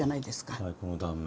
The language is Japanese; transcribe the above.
はいこの断面。